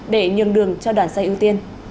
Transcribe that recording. để nhường đường cho đoàn xe ưu tiên